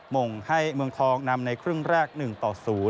มงให้เมืองทองนำในครึ่งแรก๑ต่อ๐